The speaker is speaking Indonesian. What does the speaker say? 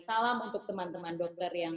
salam untuk teman teman dokter yang